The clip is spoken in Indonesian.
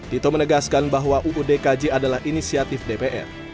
tito menegaskan bahwa ruu dkj adalah inisiatif dpr